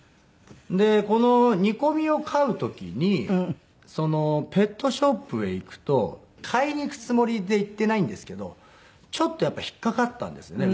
このにこみを飼う時にペットショップへ行くと買いにいくつもりで行ってないんですけどちょっとやっぱ引っかかったんですよね